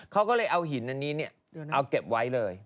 เขาก็เลยเอาหินอันนี้เอาเก็บไว้เลย